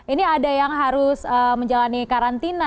ini ada yang harus menjalani karantina